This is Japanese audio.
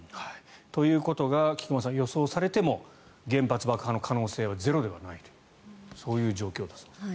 ということが菊間さん、予想されても原発爆破の可能性はゼロではないという状況です。